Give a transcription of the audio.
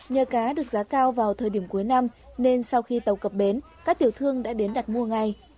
nhờ cá được giá cao vào thời điểm cuối năm nên sau khi tàu cập bến các tiểu thương đã đến đặt mua ngay